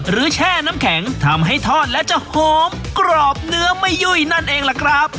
แช่น้ำแข็งทำให้ทอดและจะหอมกรอบเนื้อไม่ยุ่ยนั่นเองล่ะครับ